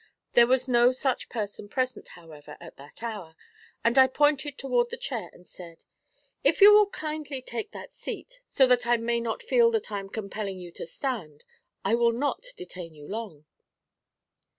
There was no such person present, however, at that hour, and I pointed toward the chair, and said: 'If you will kindly take that seat, so that I may not feel that I am compelling you to stand, I will not detain you long.'